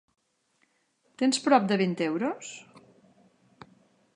Tens prop de vint euros?